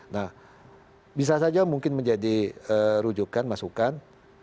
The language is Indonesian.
nah bisa saja mungkin menjadi rujukan masukan